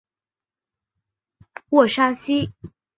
沃沙西。